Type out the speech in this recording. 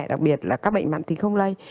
đặc biệt là các bệnh mặn thì không lây